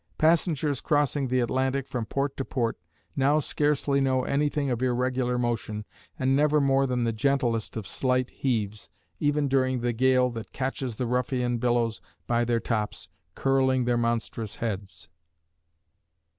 Passengers crossing the Atlantic from port to port now scarcely know anything of irregular motion, and never more than the gentlest of slight heaves, even during the gale that "Catches the ruffian billows by their tops, Curling their monstrous heads."